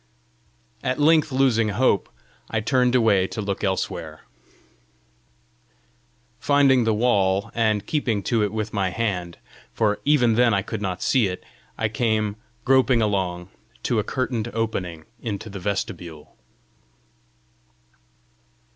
At length losing hope, I turned away to look elsewhere. Finding the wall, and keeping to it with my hand, for even then I could not see it, I came, groping along, to a curtained opening into the vestibule.